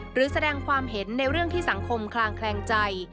หรือแสดงความเห็นในเรื่องที่สังคมคลางแคลงใจ